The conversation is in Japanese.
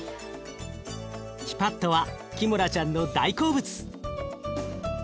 ティパットはキモラちゃんの大好物。